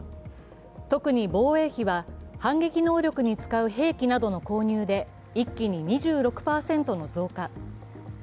特に防衛費は反撃能力に使う兵器などの購入で一気に２６％の増加。